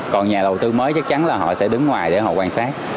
còn nhà đầu tư mới chắc chắn là họ sẽ đứng ngoài để họ quan sát